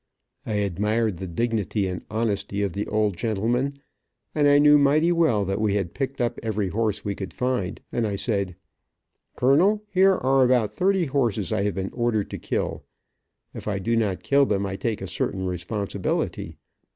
I admired the dignity and honesty of the old gentleman, and I knew mighty well that we had picked up every horse we could find, and I said: "Colonel, here are about thirty horses I have been ordered to kill. If I do not kill them I take a certain responsibility.